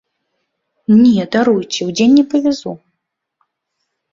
Не, даруйце, удзень не павязу!